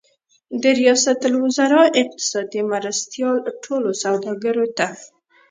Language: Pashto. د ریاست الوزار اقتصادي مرستیال ټولو سوداګرو ته